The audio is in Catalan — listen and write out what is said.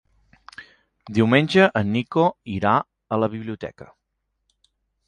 Diumenge en Nico irà a la biblioteca.